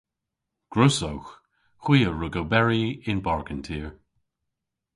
Gwrussowgh. Hwi a wrug oberi yn bargen tir.